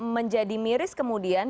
menjadi miris kemudian